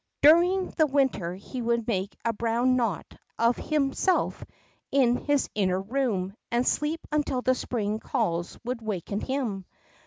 During the winter he would make a brown knot of him self in his inner room, and sleep until the spring calls would waken him.